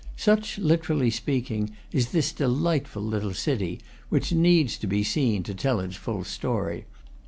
Such, literally speak ing, is this delightful little city, which needs to be seen to tell its full story.